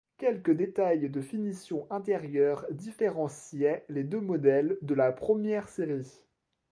Quelques détails de finition intérieure différenciaient les deux modèles de la première série.